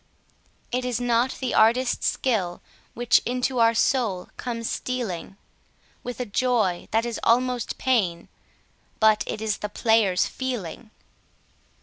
It is not the artist's skill which into our soul comes stealing With a joy that is almost pain, but it is the player's feeling.